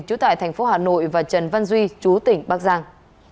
trú tại thành phố hà nội và trần văn duy chú tỉnh bắc giang